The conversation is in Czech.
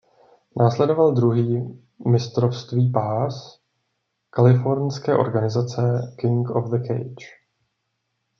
Následoval druhý mistrovství pás kalifornské organizace King of the Cage.